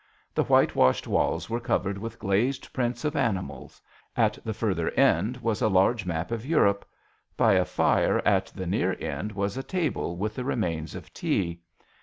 The white washed walls were covered with glazed prints of animals ; at the further end was a large map of Europe ; by a fire at the near end was a table with the remains of tea.